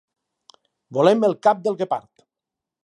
Volem el cap del guepard.